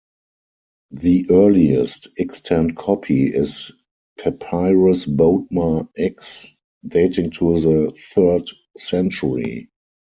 The earliest extant copy is Papyrus Bodmer X, dating to the third century.